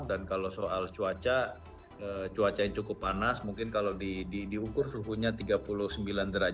dan kalau soal cuaca cuaca yang cukup panas mungkin kalau diukur suhunya tiga puluh sembilan derajat tapi feel slacknya itu empat puluh tujuh sampai empat puluh sembilan